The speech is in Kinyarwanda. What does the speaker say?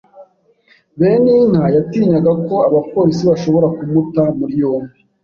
Beninka yatinyaga ko abapolisi bashobora kumuta muri yombi.